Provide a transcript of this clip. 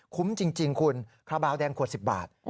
คุ้มจริงคุณคาบาลแดงขวด๑๐บาท